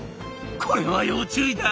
「これは要注意だ。